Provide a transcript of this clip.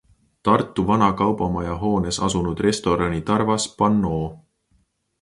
Tartu vana kaubamaja hoones asunud restorani Tarvas pannoo.